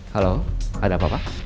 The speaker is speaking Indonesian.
halo ada apa pak